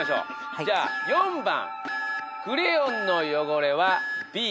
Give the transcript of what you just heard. じゃあ４番クレヨンの汚れはＢ。